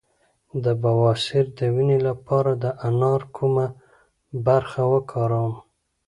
د بواسیر د وینې لپاره د انار کومه برخه وکاروم؟